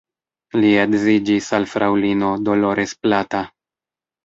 Li edziĝis al fraŭlino Dolores Plata.